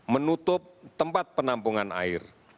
menutup tempat penampungan air